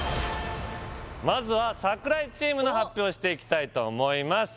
まずは櫻井チームの発表をしていきたいと思います